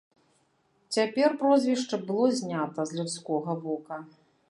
Цяпер прозвішча было знята з людскога вока.